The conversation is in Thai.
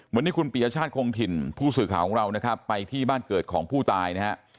วันนี้คุณปียชาติคงถิ่นผู้สื่อข่าวของเรานะครับไปที่บ้านเกิดของผู้ตายนะฮะ